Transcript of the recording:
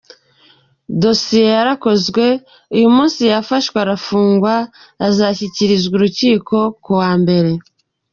Dosiye yarakozwe , uyu munsi yafashwe arafungwa azashyikirizwa urukiko ku wa Mbere.”